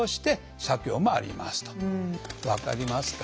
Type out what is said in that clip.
分かりますか？